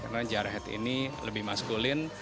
karena jar head ini lebih maskulin